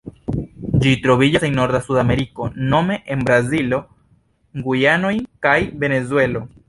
Ĝi troviĝas en norda Sudameriko nome en Brazilo, Gujanoj kaj Venezuelo.